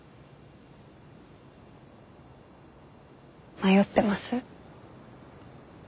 迷ってます？